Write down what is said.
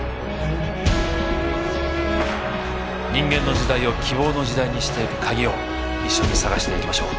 人間の時代を希望の時代にしていく鍵を一緒に探していきましょう。